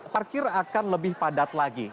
parkir akan lebih padat lagi